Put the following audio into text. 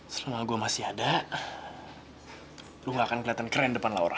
selama gue masih ada lo gak akan kelihatan keren depan laura